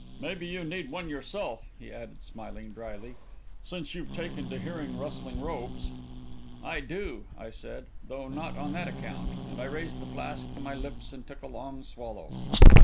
"Maybe you need one, yourself," he added, smiling drily, "since you've taken to hearing rustling robes." "I do," I said, "though not on that account," and I raised the flask to my lips and took a long swallow.